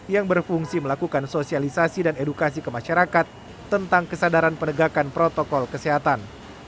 yang berfungsi melakukan sosialisasi dan edukasi ke masyarakat tentang kesadaran penegakan protokol kesehatan